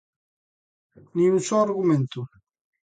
¡Nin un só argumento!